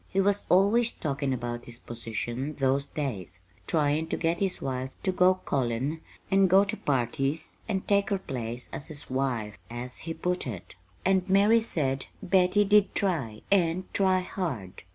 He was always talkin' about his position those days, tryin' to get his wife to go callin' and go to parties and take her place as his wife, as he put it. "And Mary said Betty did try, and try hard.